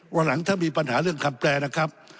วันหลังถ้ามีปัญหาเรื่องคำแปลนะครับ